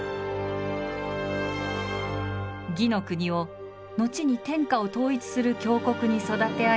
魏の国を後に天下を統一する強国に育て上げた曹操。